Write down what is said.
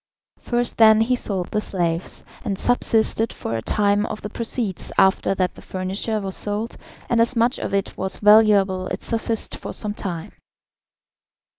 First then he sold the slaves, and subsisted for a time on the proceeds, after that the furniture was sold, and as much of it was valuable it sufficed for some time.